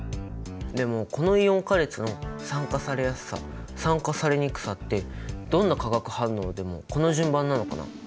でもこのイオン化列の酸化されやすさ酸化されにくさってどんな化学反応でもこの順番なのかな？